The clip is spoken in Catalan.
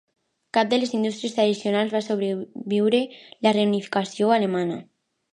Cap de les indústries tradicionals va sobreviure la reunificació alemanya.